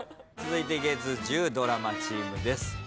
続いて月１０ドラマチームです。